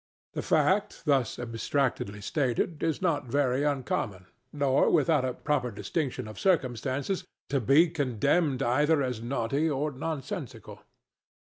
The fact, thus abstractedly stated, is not very uncommon, nor, without a proper distinction of circumstances, to be condemned either as naughty or nonsensical.